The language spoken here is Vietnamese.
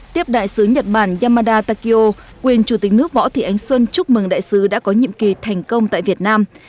tiếp đại sứ nhật bản yamada takio quyền chủ tịch nước võ thị ánh xuân chúc mừng đại sứ đã có nhiệm kỳ thành công tại việt nam